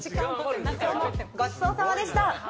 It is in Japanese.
ごちそうさまでした。